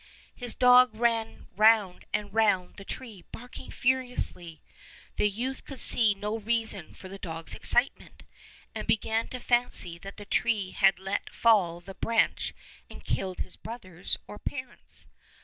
His dog ran round and round the tree barking furiously. The youth could see no reason for the dog's excitement, and began to fancy that the tree had let fall the branch and killed his brothers or parents.